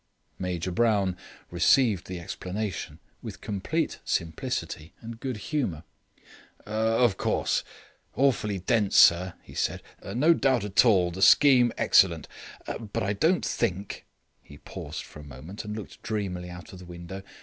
Major Brown received the explanation with complete simplicity and good humour. "Of course; awfully dense, sir," he said. "No doubt at all, the scheme excellent. But I don't think " He paused a moment, and looked dreamily out of the window.